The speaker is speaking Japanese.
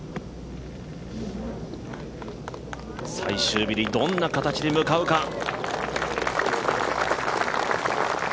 最終日にどんな形で向かうか。